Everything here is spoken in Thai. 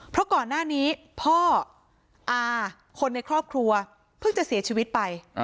เพราะก่อนหน้านี้พ่ออาคนในครอบครัวเพิ่งจะเสียชีวิตไป